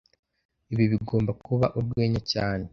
Ibi bigomba kuba urwenya cyane